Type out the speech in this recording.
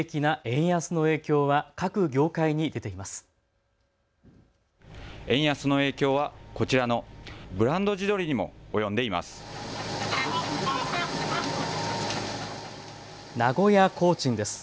円安の影響はこちらのブランド地鶏にも及んでいます。